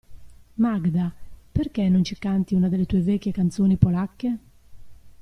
Magda, perché non ci canti una delle tue vecchie canzoni polacche?